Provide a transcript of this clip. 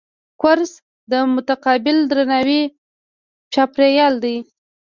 کورس د متقابل درناوي چاپېریال دی.